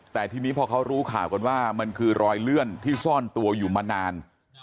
แต่ทีนี้พอเขารู้ข่าวกันว่ามันคือรอยเลื่อนที่ซ่อนตัวอยู่มานาน